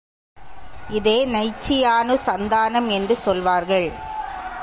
இதை நைச்சி யானுசந்தானம் என்று சொல்வார்கள்.